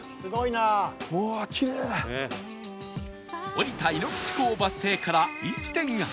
降りた井口港バス停から １．８ キロ